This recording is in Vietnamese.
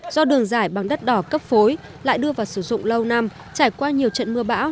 do đường giải bằng đất đỏ cấp phối lại đưa vào sử dụng lâu năm trải qua nhiều trận mưa bão